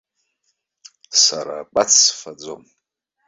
Сара акәац сфаӡом.